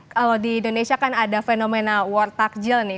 kalau di indonesia kan ada fenomena war takjil nih